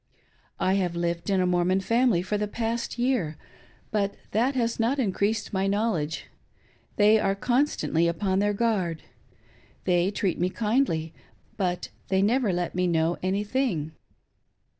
I have lived in a Mormon family for the past year, but that has not increased my knowledge. They are constantly upon their guard. They treat me kindly, but they never let me know any thing."